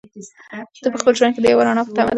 دی په خپل ژوند کې د یوې رڼا په تمه دی.